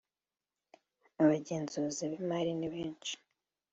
abagenzuzi b imari ni benshi